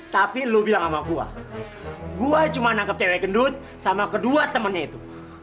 tapi lo bilang sama gue gue cuma nangkep cewek gendut sama kedua temannya itu